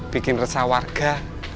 bikin resah warga